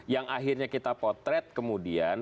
yang akhirnya kita potret kemudian